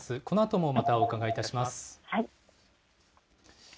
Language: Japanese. このあともまたお伺いいたします。